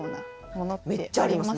めっちゃあります。